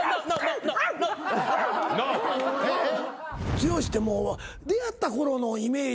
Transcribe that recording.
剛ってもう出会ったころのイメージ。